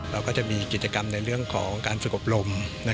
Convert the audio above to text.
เราก็จะมีกิจกรรมในเรื่องของการฝึกอบรม